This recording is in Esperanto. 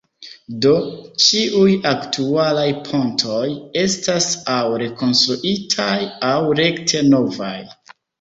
Do, ĉiuj aktualaj pontoj estas aŭ rekonstruitaj aŭ rekte novaj.